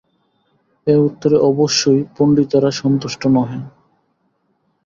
এ উত্তরে অবশ্যই পণ্ডিতেরা সন্তুষ্ট নহেন।